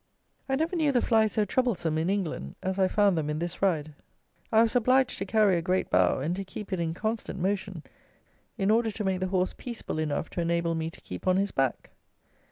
I never knew the flies so troublesome, in England, as I found them in this ride. I was obliged to carry a great bough, and to keep it in constant motion, in order to make the horse peaceable enough to enable me to keep on his back.